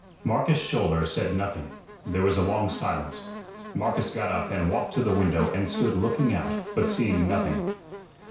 Marcus Schouler said nothing. There was a long silence. Marcus got up and walked to the window and stood looking out, but seeing nothing.